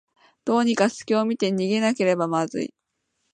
どうにかすきを見つけて逃げなければまずい